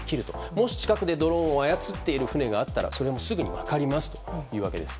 もし近くでドローンを操っている船があればそれもすぐに分かりますというわけです。